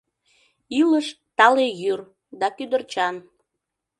Илыш — тале йӱр, да кӱдырчан.